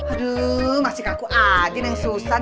aduh masih kaku adil yang susah